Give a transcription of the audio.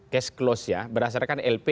cash close ya berdasarkan lp